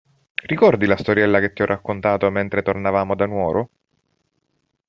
Ricordi la storiella che ti ho raccontato mentre tornavamo da Nuoro?